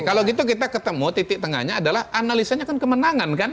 kalau gitu kita ketemu titik tengahnya adalah analisanya kan kemenangan kan